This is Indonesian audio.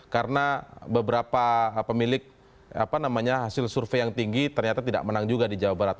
karena beberapa pemilik hasil survei yang tinggi ternyata tidak menang juga di jawa barat